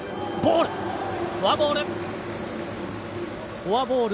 フォアボール。